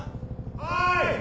はい！